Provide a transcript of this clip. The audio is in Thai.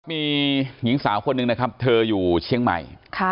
มีหญิงสาวคนหนึ่งนะครับเธออยู่เชียงใหม่